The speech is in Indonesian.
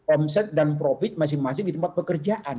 omset dan profit masing masing di tempat pekerjaan